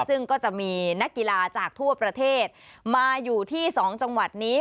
ซึ่งก็จะมีนักกีฬาจากทั่วประเทศมาอยู่ที่๒จังหวัดนี้